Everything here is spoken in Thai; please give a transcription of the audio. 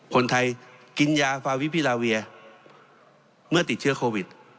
คนไทยกินยาฟาวิพิราเวียเมื่อติดเชื้อโควิด